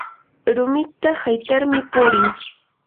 rumita haytarmi purin